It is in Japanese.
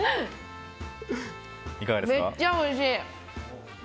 めっちゃおいしい！